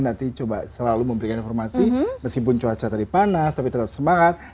nanti coba selalu memberikan informasi meskipun cuaca tadi panas tapi tetap semangat